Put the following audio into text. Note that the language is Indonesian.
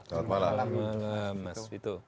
selamat malam mas wito